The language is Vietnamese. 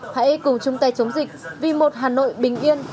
hãy cùng chúng ta chống dịch vì một hà nội bình yên